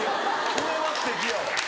それはすてきやわ。